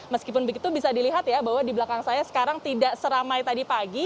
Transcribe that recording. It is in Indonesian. meskipun begitu bisa dilihat ya bahwa di belakang saya sekarang tidak seramai tadi pagi